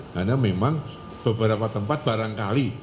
karena memang beberapa tempat barangkali